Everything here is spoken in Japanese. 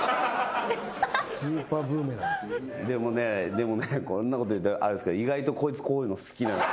でもねこんなこと言ったらあれですけど意外とこいつこういうの好き。